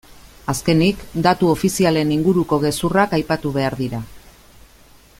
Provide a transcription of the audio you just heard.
Azkenik, datu ofizialen inguruko gezurrak aipatu behar dira.